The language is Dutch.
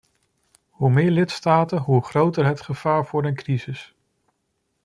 Hoe meer lidstaten, hoe groter het gevaar voor een crisis.